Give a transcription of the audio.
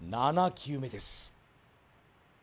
７球目です